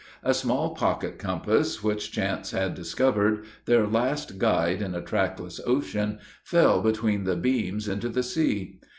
A small pocket compass, which chance had discovered, their last guide in a trackless ocean, fell between the beams into the sea.